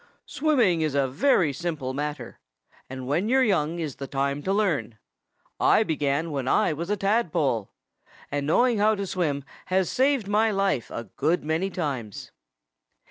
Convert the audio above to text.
"Swimming is a very simple matter. And when you're young is the time to learn. I began when I was a tadpole. And knowing how to swim has saved my life a good many times."